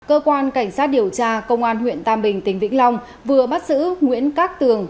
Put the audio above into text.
cơ quan cảnh sát điều tra công an huyện tam bình tỉnh vĩnh long vừa bắt giữ nguyễn cát tường